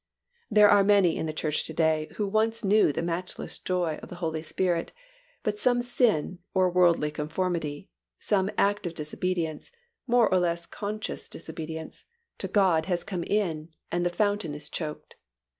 There are many in the Church to day who once knew the matchless joy of the Holy Spirit, but some sin or worldly conformity, some act of disobedience, more or less conscious disobedience, to God has come in and the fountain is choked.